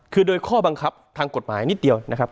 คือโดยข้อบังคับทางกฎหมายนิดเดียวนะครับ